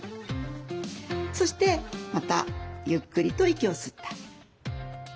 そしてまたゆっくりと息を吸ってあげる。